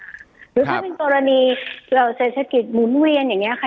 หรือถ้าเป็นกรณีเหล่าเศรษฐกิจหมุนเวียนอย่างนี้ค่ะ